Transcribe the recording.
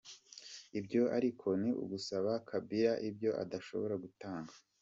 Ibyo ariko ni ugusaba Kabila ibyo adashobora gutanga.